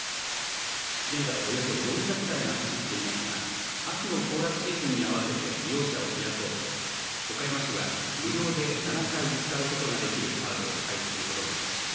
現在およそ４００台が走っていますが秋の行楽シーズンにあわせて利用者を増やそうと岡山市は無料で７回使うことができるカードを配布することにしました。